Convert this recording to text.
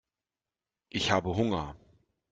Ich habe Hunger.